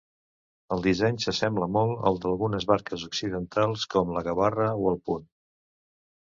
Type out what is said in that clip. El disseny s'assembla molt al d'algunes barques occidentals com la gavarra o el punt.